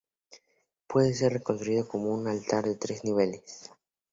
Puede ser reconstruido como un altar de tres niveles.